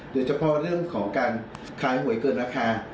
โดยเฉพาะเรื่องของการขายหวยเกินราคา